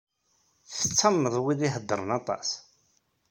Tettamneḍ wid i iheddṛen aṭas?